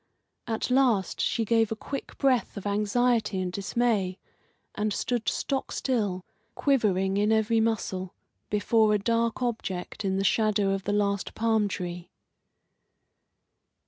At last she gave a quick breath of anxiety and dismay, and stood stock still, quivering in every muscle, before a dark object in the shadow of the last palm tree.